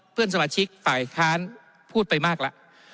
เพื่อนสมาชิกฝ่ายค้านพูดไปมากแล้ว